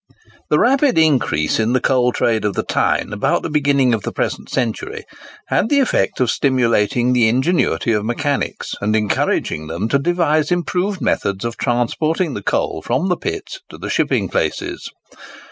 The rapid increase in the coal trade of the Tyne about the beginning of the present century had the effect of stimulating the ingenuity of mechanics, and encouraging them to devise improved methods of transporting the coal from the pits to the shipping places.